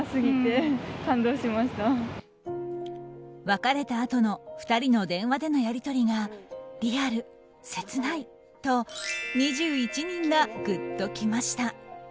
別れたあとの２人の電話でのやり取りがリアル、切ないと２１人がグッときました。